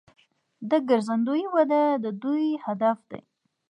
د ګرځندوی وده د دوی هدف دی.